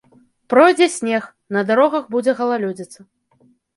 Пройдзе снег, на дарогах будзе галалёдзіца.